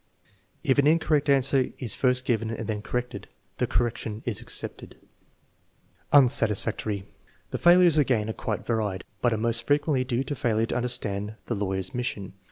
If an incorrect answer is first given and then corrected, the cor rection is accepted. Unsatisfactory. The failures again are quite varied, but are most frequently due to failure to understand the lawyer's mission.